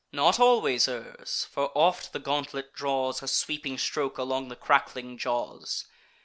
Nor always errs; for oft the gauntlet draws A sweeping stroke along the crackling jaws.